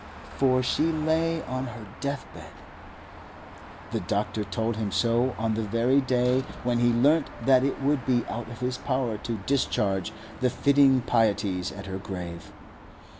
For she lay on her deathbed. The doctor told him so on the very day when he learnt that it would be out of his power to discharge the fitting pieties at her grave.